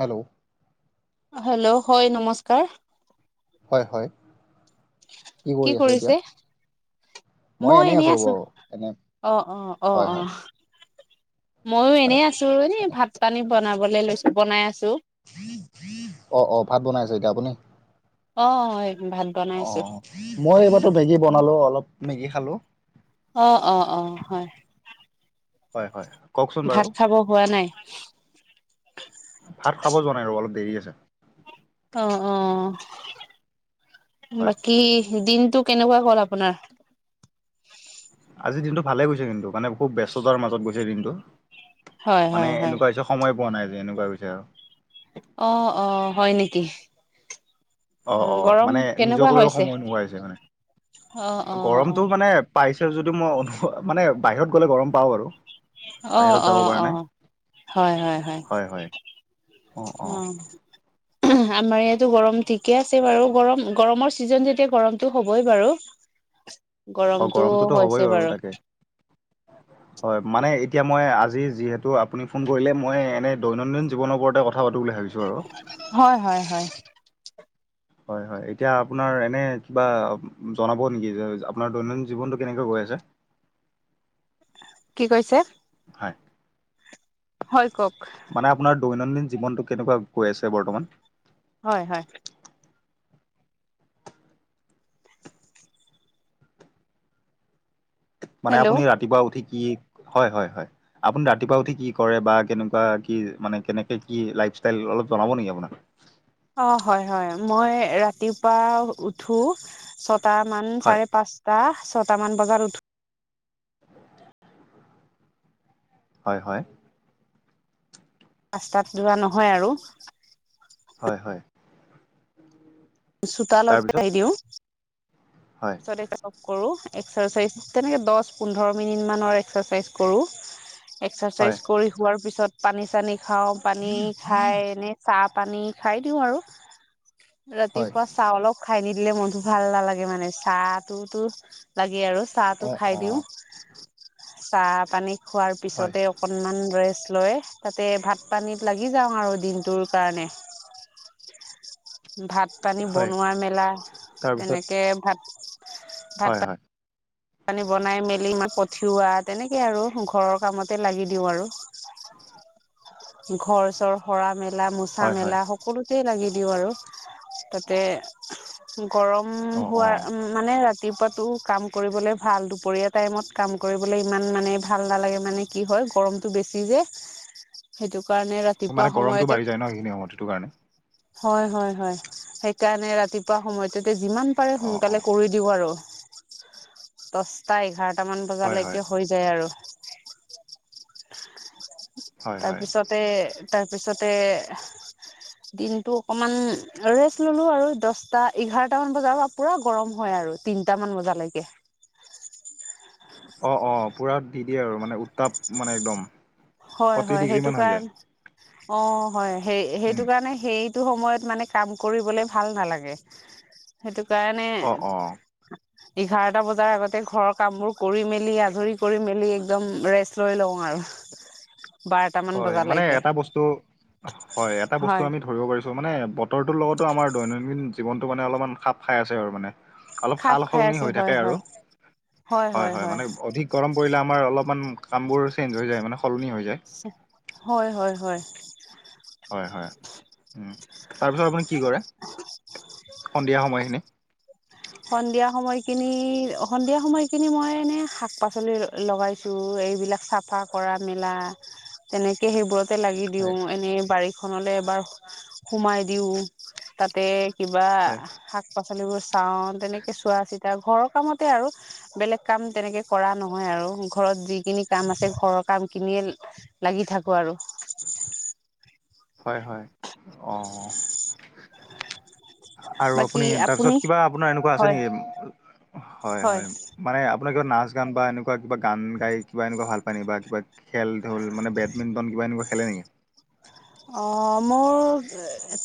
Hello, hello হয় নমস্কাৰ। হয় হয়। কি কৰি আছে এতিয়া কৰিছে! মই এনেই আছোঁ ৰ'ব আছো এনে অঁ অঁ অঁ হয় হয় অঁ। মইো হয় এনেই আছো এনে মানে ভাত পানী বনাবলৈ লৈছো বনাই আছো। অঁ অঁ ভাত বনাই আছে এতিয়া আপুনি। অ হয় ভাত বনাই আছো অঁ মই এইবাৰো ভেগী বনালো অলপ মেগী খালোঁ। অঁ অঁ অঁ হয়। হয় হয় হয়। কওকচোন বাৰু ভাত খাব হোৱা নাই ভাত খাব যোৱা নাই ৰব অলপ দেৰি আছে। অঁ অঁ হয় বাকী দিনটো কেনেকুৱা কল আপোনাৰ আজি দিনটো ভালে গৈছে কিন্তু মানে খুব ব্যস্ততাৰ মাজত গৈছে দিনটো। হয় মানে হয় হয় এনেকুৱা হৈছে সময় পোৱা নাই যে এনেকুৱা হৈছে আৰু অঁ অঁ হয় নেকি? অঁ অঁ গৰম মানে নিজক কেনেকুৱা লৈও হৈছে সময় নোহোৱা হৈছে মানে অ অ গৰমতটো মানে পাইছে যদি মই অনুভ মানে বাহিৰত গ'লে গৰম পাওঁ বাৰু অঁ বাহিৰত যাব অঁ পৰা নাই অঁ হয় হয়। অঁ আমাৰ ইয়াত গৰম ঠিকে আছে বাৰু গৰম গৰমৰ ছিজন যেতিয়া গৰমতটো হ'বই বাৰু অঁ গৰমটো গৰমটোতো হ'বই হৈছে বাৰু তাকে হয় মানে এতিয়া মই আজি যিহেতু আপুনি ফোন কৰিলে মই এনে দৈনন্দিন জীৱনৰ ওপৰতে কথা পাতো বুলি ভাবিছো। আৰু হয় হয় হয়। হয় হয় এতিয়া আপোনাৰ এনে কিবা জনাব নেকি যে আপোনাৰ দৈনন্দিন জীৱনটো কেনেকে গৈ আছে। কি কৈছে। হয় হয় কওঁক। মানে আপোনাৰ দৈনন্দিন জীৱনটো কেনেকুৱা গৈ আছে বৰ্তমান। হয় হয়। মানে হেল্ল' আপুনি ৰাতিপুৱা উঠি হয় হয় আপুনি ৰাতিপুৱা উঠি কি কৰে বা কেনেকুৱা কি মানে কেনে কি? জনাব নেকি আপোনাক। অঁ হয় হয় মই ৰাতিপুৱা উঠো। সাতটামান হয় চাৰে পাঁচটা ছয়টামান বজাত উঠো। হয় হয়। ৰাস্তাত যোৱা নহয় আৰু। হয় হয়। চোতালতে তাৰপিছত দিওঁ। হয় চ চ [inaudible] কৰোঁ এক্সাৰচাইজ, তেনেকে দশ পোন্ধৰ মিনিটমানৰ এক্সাৰচাইজ কৰোঁ। হয় এক্সাৰচাইজ কৰি হোৱাৰ পিছত পানী -চানী খাও। পানী খাই এনে চাহ পানী খাই দিওঁ আৰু। হয় ৰাতিপুৱা চাহ অলপ খাই নিদিলে মনটো ভাল নালাগে মানে চাহটোতো লাগে আৰু চাহটো অ খাই অ দিওঁ, চাহ খোৱাৰ হয় পিছতে অকনমান ৰেষ্ট। লৈ তাতে ভাত পানীত লাগি যাওঁ আৰু দিনটোৰ কাৰণে ভাত -পানী হয় বনোৱা মেলা, তাৰপিছত তেনেকে ভাত ভাত হয় পা হয়। পানী বনাই মেলি ই মাক পঠিওৱা, তেনেকে আৰু ঘৰৰ কামতে লাগি দিওঁ আৰু। ঘৰ -চৰ সৰা মেলা মোচা- হয় হয় মেলা সকলো ততে লাগি দিওঁ আৰু তাতে গৰম অ অ হোৱাৰ উম মানে ৰা ৰাতিপুৱাটো কাম কৰিবলৈ ভাল। দুপৰীয়া টাইমত কাম কৰিবলৈ ইমান মানে ভাল নালাগে মানে কি হয় গৰমটো বেছি যে। সেইটো কাৰণে ৰাতিপুৱা মানে গৰমটো সময়তে বাঢ়ি যায় ন সেইখিনি সময়ত সেইটো কাৰণে হয় হয় হয়, সেইকাৰণে ৰাতিপুৱা সময়তে যিমান পাৰে অ অ সোনকালে কৰি দিওঁ আৰু দছটা- এঘাৰ এটামান হয় হয় বজালৈকে হৈ যায় আৰু। হয় হয় তাৰপিছতে- তাৰপিছতে দিনটো অকমান ৰেষ্ট ললো আৰু দশটা এঘাৰটা মান বজাৰ পৰা পুৰা গৰম হয় আৰু। তিনটামান বজালৈকে। অ অ পূৰা দি দিয়ে আৰু মানে উত্তাপ মানে একদম। হয় ফৰ্টি হয় ডিগ্ৰী সেইটো মান হৈ যায় কাৰণ, অ হয় সেই উম সেইটো কাৰণে সেই সেইটো সময়ত মানে কাম কৰিবলৈ ভাল নালাগে। সেইটো কাৰণে অ অ এঘাৰটা বজাৰ আগতে ঘৰৰ কামবোৰ কৰি মেলি আজৰি কৰি মেলি একদম ৰেষ্ট লৈ লও আৰু। আহ হয় মানে এটা বস্তু হয় এটা বস্তু হয় আমি ধৰিব পাৰিছো মানে বতৰটোৰ লগতো আমাৰ দৈনন্দিন জীৱনটো মানে অলপমান খাপ খাই আছে আৰু মানে। অলপ খাপ সাল খাই -সলনি আছে হৈ হয় থাকে আৰু, হয়। হয় -হয় মানে অধিক গৰম পৰিলে আমাৰ অলপ ইমান কামবোৰ চেঞ্জ হৈ যায় মানে সলনি হৈ যায় সে হয় হয় হয়। হয় হয়, তাৰপিছত আপুনি কি কৰে সন্ধিয়া সময়খিনি? সন্ধিয়া সময়খিনি, সন্ধিয়া সময়খিনি মই এনে শাক -পাচলি ল লগাইছো এইবিলাক চাফা কৰা মেলা, তেনেকে সেইবোৰত তাতে লাগি হয় দিওঁ এনেই বাৰীখনলৈ এবাৰ সোমাই দিওঁ, তাতে কিবা হয় শাক -পাচলিবোৰ চাও, তেনেকে চোৱা চিত এতিয়া ঘৰৰ কামতে আৰু বেলেগ কাম তেনেকে কৰা নহয় আৰু ঘৰত যিখিনি কাম আছে ঘৰ কাম কিনিয়ে লাগি থাকো আৰু। হয় হয় অ। আৰু আপুনি তাৰপিছত কিবা আপোনাৰ এনেকুৱা আছে হয় নেকি? হয় হয় মানে আপোনাৰ কিবা নাচ -গান বা এনেকুৱা কিবা গান গাই কিবা এনেকুৱা ভাল পায় নেকি বা কিবা খেল, ঢল মানে বেডমিণ্টন কিবা এনেকুৱা খেলে নেকি? অ মোৰ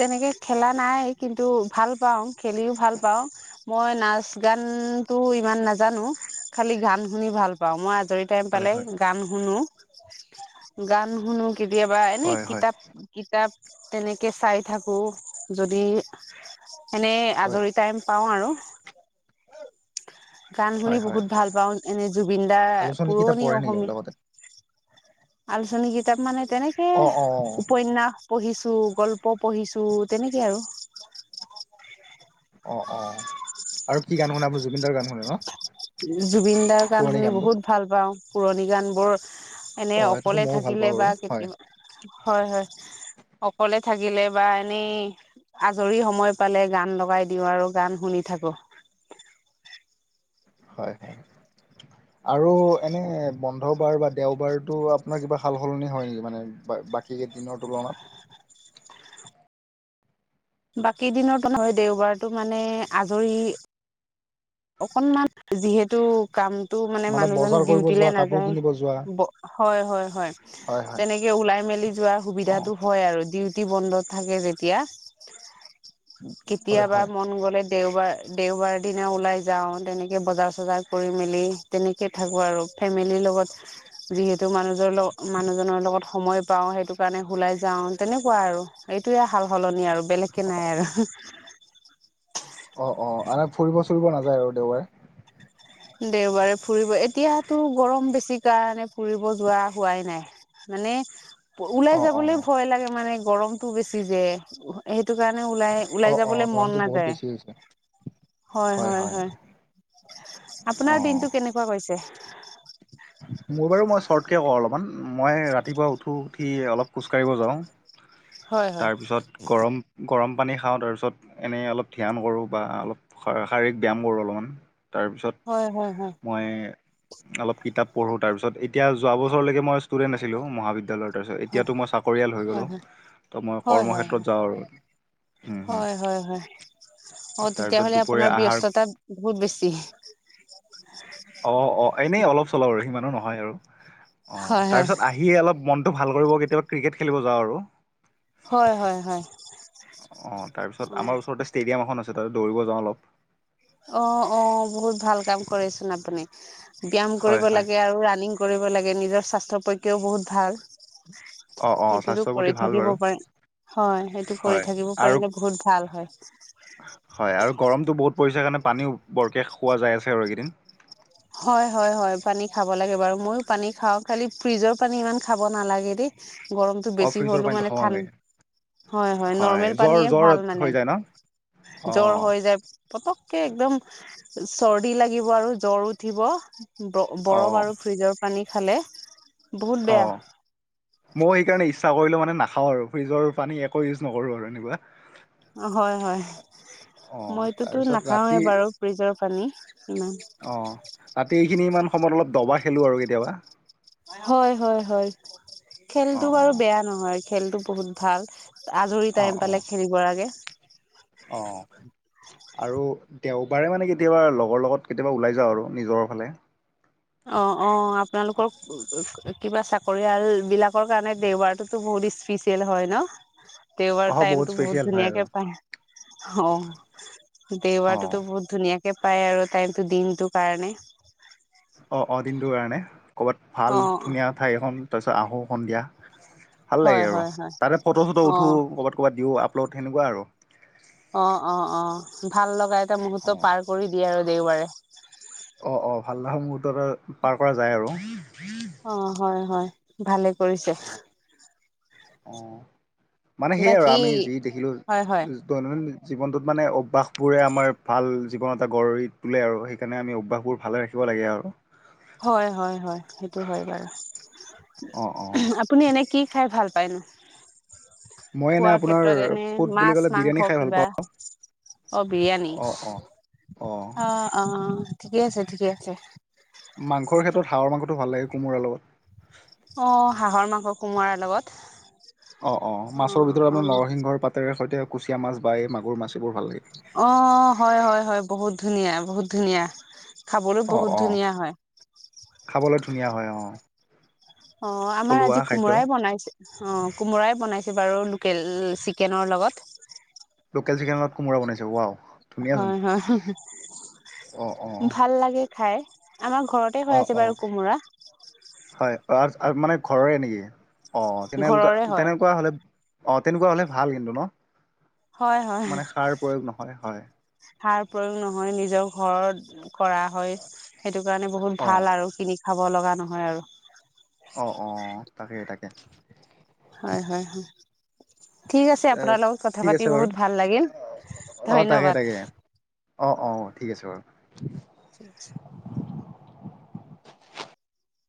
তেনেকে খেলা নাই কিন্তু ভাল পাওঁ, খেলিও ভাল ভাল পাওঁ মই নাচ গানতো ইমান নাজানো খালি গান শুনি ভাল পাওঁ। মই ৰি টাইম হয় পালে হয় গান শুনো। গান শুনো কেতিয়াবা এনে হয় হয় কিতাপ কিতাপ তেনেকে চাই থাকো যদি এনে হয় আজৰি টাইম পাওঁ আৰু গান হয় শুনি হয়। বহুত ভাল পাওঁ এনে জুবিন দাৰ আলোচনী কিতাপ পুৰণি পঢ়ে নেকি অসমীয়া। লগতে আলোচনী কিতাপ মানে তেনেকে অ অ অ উপন্যয়াস পঢ়িছো গল্প পঢ়িছো তেনেকে আৰু অঁ অঁ আৰু কি গান শুনে আপুনি জুবিনদাৰ গান শুনে ন জুবিন দাৰ গান পুৰণি শুনি গানবোৰ বহুত ভাল পাওঁ পুৰণি গান বোৰ এনে অ সেইটোতো অকলে ময়ো ভাল থাকিলে পাওঁ বা বাৰু হয় কেতিয়াবা হয় হয়। অকলে থাকিলে বা এনেই আজৰি সময় পালে গান লগাই দিওঁ আৰু গান শুনি থাকো। হয় হয়। আৰু এনে বন্ধ বাৰ বা দেওবাৰতো আপোনাৰ কিবা সাল সলনি হয় নেকি মানে বাকীকেইদিনৰ তুলনাত [unintelligible] বাকী দিনৰতোহয় দেওবাৰতটো মানে আজৰি অকনমান যিহেতু কামতটো মানে মানুহজননে বজাৰ কৰিব ডিউটিল যোৱা কাপোৰ নাযায় কিনিব যোৱা হয় হয় হয় হয় হয় তেনেকে ওলাই মেলি যোৱাৰ অ সুবিধাটো হয় আৰু দি বন্ধ থাকে যেতিয়া হয় কেতিয়াবা হয় মন গলে দেওবাৰ দেওবাৰ দিনা ওলাই। যাওঁ তেনেকে বজাৰ চজাৰ কৰি মেলি তেনেকে থাকো আৰু ফেমিলিৰ লগত যিহেতু। মানু মানুহজনৰ লগত সময় পাওঁ সেইটো কাৰণে ওলাই যাওঁ তেনেকুৱা আৰু এইটো ভাল। সলনি আৰু বেলেগকে নাই আৰু অঁ অঁ আনক ফুৰিব চুৰিব নাযায় আৰু দেওবাৰে দেওবাৰে ফুৰিব এতিয়াতো গৰম বেছি কাৰণে ফুৰিব যোৱা হোৱাই নাই। মানে অ ওলাই অ যাবলৈ ভয় লাগে মানে গৰমতটো বেছি যে সেইটো কাৰণে ওলাই অ ওলাই অ যাবলৈ মন গৰমটো বহুত নাযায় বেছি হৈছে হয় হয় হয়। অ আপোনাৰ দিনটো কেনেকুৱা কৈছে। মোৰ বাৰু মই শৰ্টকে কওঁ অলপমান মই ৰাতিপুৱা উঠো উঠি অলপ খোজ কাঢ়িব যাওঁ হয় হয় তাৰপিছত গৰ গৰম। পানী খাওঁ তাৰপিছত এনেই অলপ ধ্যান কৰোঁ বা অলপ শাৰীৰিক ব্যায়াম কৰোঁ অলপমান। তাৰপিছত হয় হয় হয় মই অলপ কিতাপ। পঢ়ো তাৰপিছত এতিয়া য বছৰলৈকে মই ষ্টুডেণ্ট আছিলোঁ বিদ্যালয়ত তাৰপিছত হয় এতিয়াতো মই চাকৰিয়াল হৈ হয় গ'লোঁ হয় তো মই হয় হয় কৰ্মক্ষেত্ৰত যাওঁ আৰু উম, হুম, হয় হয় হয়। অঁ তাৰপিছত তেতিয়াহলে দুপৰীয়া আপোনাৰ আহাৰ ব্যস্ততা বহুত বেছি। এনে অলপ চল আৰু সিমান নহয় আৰু অ হয় হয় তাৰপিছত আহি অলপ ম টো ভাল কৰিব কেতিয়াবা ক্ৰিকেট খেলিব যাওঁ আৰু হয় হয় হয় অঁ তাৰপিছত আমাৰ ওচৰতে ষ্টেডিয়াম এখন আছে। ততে দৌৰিব যাওঁ অলপ। অঁ অঁ বহুত ভাল কাম কৰিচোন আপুনি। ব্যায়াম হয়, কৰিব হয়, লাগে আৰু ৰাণিং কৰিব লাগে নিজৰ স্বাস্থ্যৰ পক্ষেও বহুত ভাল। অ', অ', সেইটোতো স্বাস্থ্যৰ প্ৰতি কৰি ভাল থাকিব বাৰু পাৰে। হয় সেইটো কৰি হয় থাকিব আৰু পাৰিলে বহুত ভাল হয় হয় আৰু গৰমটো বহুত পৰিছে কাৰণে পানীও বৰকে খোৱা যায় আছে আৰু এইকেইদিনৱ হয় হয় হয় পানী খাব লাগে বাৰু মইো পানী খাওঁ খালি ফ্ৰিজৰ পানী ইমান খাব নালাগে দেই গৰমটো অ', বছি ফ্ৰিজৰ হ'লেও পানীটো মে খাব ঠানড। নালাগে। হয় হয় নৰ্মেল জ্বৰ পানীয়ে জ্বৰ ভাল মানে হৈ যায় ন? জ্বৰ অ', হৈ যায়। পতককে একদম চৰ্দি লাগিব আৰু জ্বৰ উঠিব। বৰফ অ', আৰু ফ্ৰিজৰ পানী খালে। বহুত বেয়া অ' ময়ও সেইকাৰণে ইচ্ছা কৰিলো মানে। নাখাওঁ আৰু ফ্ৰিজৰ পানী একো ইউজ নকৰোঁ আৰু এনেকুৱা। হয় হয়। অ', মইতোতো তাৰপিছত নাখাওঁৱেই ৰাতি বাৰু ফ্ৰিজৰ পানী, ইমান। তাতে এইখিনি ইমান সময়ত অলপ দবা খেলো আৰু কেতিয়াবা। হয় হয় হয় খেলতো অ', বাৰু অ', বেয়া নহয় খেলতটো বহুত ভাল। আজৰি টাইম পালে খেলিব লাগে। অঁ। আৰু দেওবাৰে মানে কেতিয়াবা লগৰ লগত কেতিয়াবা ওলাই যাওঁ আৰু নিজৰ ফালে। অ অ আপোনালোকৰ কিবা চাকৰিয়াল বিলাকৰ কাৰণে দেওবাৰটোতো বহুত স্পিচিয়েল হয় ন? দেওবাৰ অহ টাইম তো বহুত স্পেচিয়েল হয় আৰু ধুনীয়াকে পায়। অঁ দেওবাৰ টো অ', টো বহুত ধুনীয়া কে পায় আৰু টাইম টো দিনটো কাৰণে। অঁ অঁ, দিনটোৰ কাৰণে ক'ৰবাত ভাল অ', ধুনীয়া ঠাই এখন তাৰপিছত, আহোঁ সন্ধিয়া। ভাল হয়, লাগে আৰু হয়, হয়, তাতে ফটো চটো উঠো, অ', ক'ৰবাত দিওঁ আপলোড সেনেকুৱা আৰু। অ অ অ, ভাল লগা এটা মুহুৰ্ত অ', পাৰ কৰি দিয়ে আৰু দেওবাৰে। অ অ ভাল লগা মুহূৰ্ত এটা পাৰ কৰা যায় আৰু। অ হয় হয় ভালে কৰিছে। অ', অ মানে সেয়াই আৰু বাকী আমি যি দেখিলো হয়, হয়। দৈনন্। জীৱনটোত মানে অভ্যাস বোৰে আমাৰ ভাল জীৱন এটা গঢ়ি তোলে আৰু সেইকাৰণে আমি অভ্যাসবোৰ ভালে ৰাখিব। লাগে আৰু। হয় হয় হয়, সেইটো হয় বাৰু অ', অ', আপুনি এনে কি। খাই ভাল পায় ন? মই এনে খোৱা আপোনাৰ ক্ষেত্ৰত এনে ফুড বুলি মাছ ক'লে মাংস বিৰিয়ানী খাই ভাল কিবা? পাওঁ অ' বিৰিয়ানী, অ', অ', অ অ ঠিকে আছে ঠিকে আছে। মাংসৰ ক্ষেত্ৰত হাঁহৰ মাংসটো ভাল লাগে কোমোৰাৰ লগত। অঁ হাঁহৰ মাংস কোমোৰাৰ লগত। অ অ মাছৰ ভিতৰত আপোনাৰ নৰসিংহৰ পাতেৰে সৈতে কুচিয়া মাছ বা এই মাগুৰ মাছ এইবোৰ ভাল লাগে। অ হয় হয় হয় বহুত ধুনীয়া বহুত ধুনীয়া। খাবলৈ অ', বহুত অ', ধুনীয়া হয়। খাবলৈ ধুনীয়া হয় অ। অ' আমাৰ থলুৱা আজি খাদ্য কোমোৰাই বনাইছে। অ' কোমোৰাই বনাইছে বাৰু লোকেল চিকেনৰ লগত। লোকেল চিকেনত কোমোৰা বনাইছে ৱাও। ধুনীয়াচোন হয় হয়, অ', অ', ভাল লাগে খাই। আমাৰ ঘৰতে হৈ অ', আছে অ', বাৰু কোমোৰা। হয় মানে ঘৰৰে নেকি? অ তেনে ঘৰৰে হয় তেনেকুৱা হলে। অ তেনেকুৱা হ'লে ভাল কিন্তু ন, হয় হয় মানে সাৰ প্ৰয়োগ নহয় হয়। সাৰ প্ৰয়োগ নহয় নিজৰ ঘৰত কৰা হয়, সেইটো কাৰণে বহুত অ ভাল আৰু কিনি। খাব লগা নহয় আৰু। অ অ তাকেই তাকে। হয় হয়। ঠিক আছে এ, আপোনাৰ লগত কথা ঠিক পাতি আছে বাৰু বহুত ভাল লাগিল অ তাকে ধন্যবাদ। তাকে অ অ ঠিক আছে বাৰু। [unintelligible] [unintelligible]